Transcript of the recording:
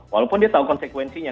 walaupun dia tahu konsekuensinya